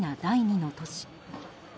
第２の都市。